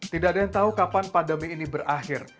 tidak ada yang tahu kapan pandemi ini berakhir